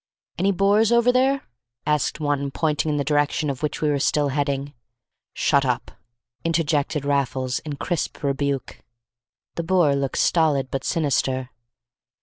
"Any Boers over there?" asked one, pointing in the direction in which we were still heading. "Shut up!" interjected Raffles in crisp rebuke. The Boer looked stolid but sinister.